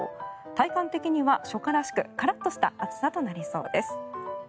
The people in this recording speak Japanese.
体感的には初夏らしくカラッとした暑さとなりそうです。